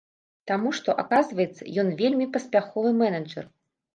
Таму што, аказваецца, ён вельмі паспяховы менеджар.